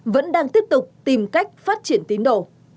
vẫn đang tiếp tục tìm cách phát triển tín đồ